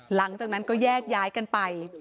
หลังจากนั้นก็แยกย้ายกันไป